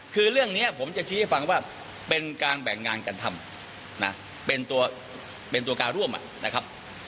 คือเรื่องนี้ผมจะชี้ให้ฟังว่าเป็นการแบ่งงานกันทำ